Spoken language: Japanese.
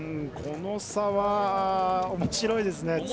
この差はおもしろいですね。